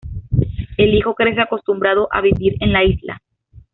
El hijo crece acostumbrado a vivir en la isla.